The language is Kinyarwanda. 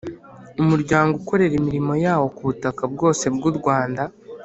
Umuryango ukorera imirimo yawo ku butaka bwose bw’u Rwanda